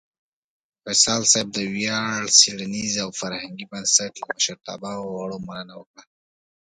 وصال صېب د ویاړ څیړنیز او فرهنګي بنسټ لۀ مشرتابۀ او غړو مننه وکړه